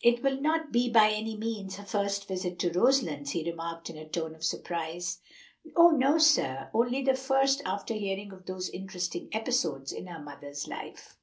"It will not be by any means her first visit to Roselands," he remarked in a tone of surprise. "Oh, no, sir! only the first after hearing of those interesting episodes in her mother's life."